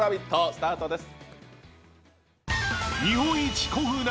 スタートです。